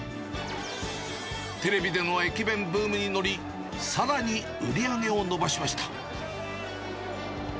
テレビでの駅弁ブームに乗り、さらに売り上げを伸ばしました。